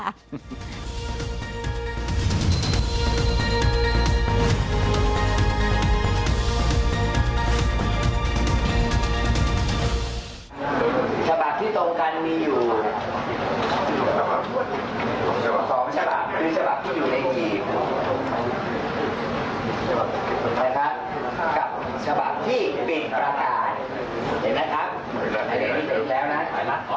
กับฉบับที่ปิดประการเห็นมั้ยครับ